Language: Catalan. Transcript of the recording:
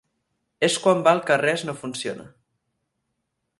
És quan valc que res no funciona.